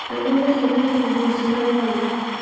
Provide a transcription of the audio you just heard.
د نورو خبرې په حوصله واوره.